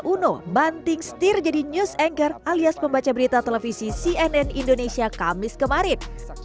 uno banting setir jadi news anchor alias membaca berita televisi cnn indonesia kamis kemarin